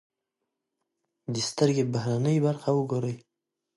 د سترکې بهرنۍ برخه و ګورئ.